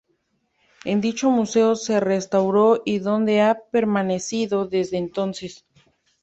En dicho museo se restauró y donde ha permanecido desde entonces.